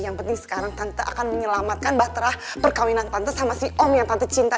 yang penting sekarang tanpa akan menyelamatkan baterah perkawinan tante sama si om yang tante cinta